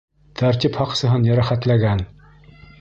Тәртип һаҡсыһын йәрәхәтләгән